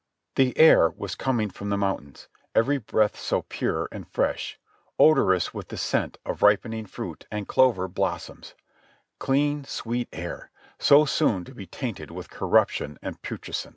The air was coming from the mountains, every breath so pure and fresh, odorous with the scent of ripening fruit and clover blossoms ; clean, sweet air, so soon to be tainted with corruption and putrescence.